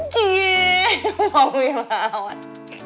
jee bang wirawan